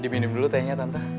diminum dulu tehnya tante